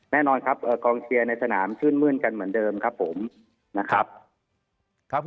แน่นอนครับกองเชียร์ที่สนามขึ้นมืิ่นกันเหมือนเดิมนะครับ